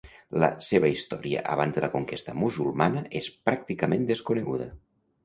La seva història abans de la conquesta musulmana és pràcticament desconeguda.